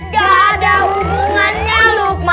gak ada hubungannya lukman